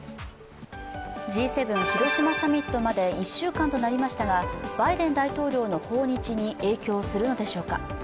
Ｇ７広島サミットまで１週間となりましたがバイデン大統領の訪日に影響するのでしょうか。